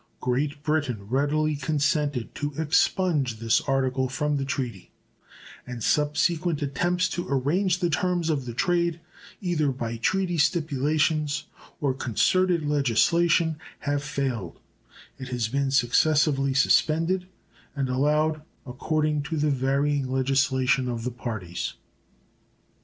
Great Britain readily consented to expunge this article from the treaty, and subsequent attempts to arrange the terms of the trade either by treaty stipulations or concerted legislation have failed, it has been successively suspended and allowed according to the varying legislation of the parties.